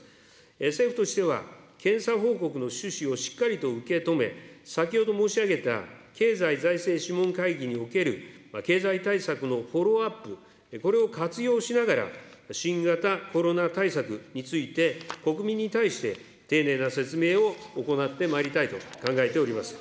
政府としては検査報告の趣旨をしっかりと受け止め、先ほど申し上げた経済財政諮問会議における経済対策のフォローアップ、これを活用しながら、新型コロナ対策について、国民に対して、丁寧な説明を行ってまいりたいと考えております。